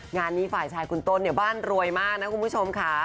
งานนี้ฝ่ายชายคุณต้นเนี่ยบ้านรวยมากนะคุณผู้ชมค่ะ